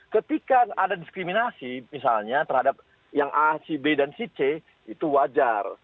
ketika ada diskriminasi misalnya terhadap yang a si b dan si c itu wajar